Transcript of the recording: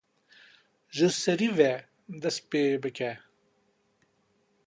Ji serî ve dest pê bike.